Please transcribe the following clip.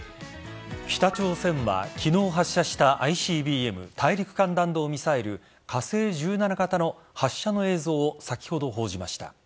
北朝鮮は昨日発射したＩＣＢＭ＝大陸間弾道ミサイル火星１７型の発射の映像を先ほど報じました。